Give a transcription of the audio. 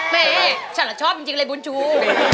แม่ฉันชอบจริงเลยบุญชู